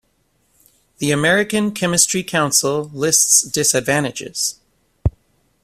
The American Chemistry Council lists disadvantages.